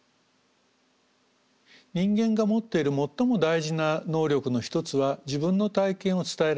人間が持っている最も大事な能力の一つは自分の体験を伝えられる。